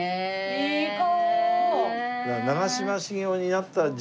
いい顔。